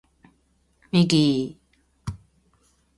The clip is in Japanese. ミギー